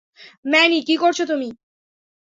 Many, কি করছো তুমি?